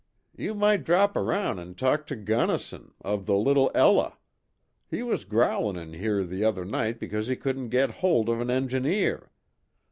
You might drop around an' talk to Gunnison, of the Little Ella. He was growlin' in here the other night because he couldn't get holt of an engineer.